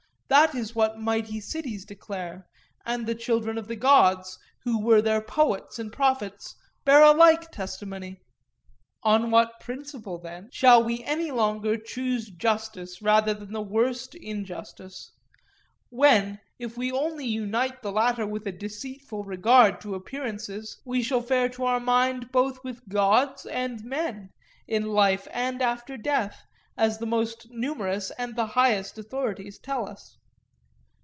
That is what mighty cities declare; and the children of the gods, who were their poets and prophets, bear a like testimony. On what principle, then, shall we any longer choose justice rather than the worst injustice? when, if we only unite the latter with a deceitful regard to appearances, we shall fare to our mind both with gods and men, in life and after death, as the most numerous and the highest authorities tell us.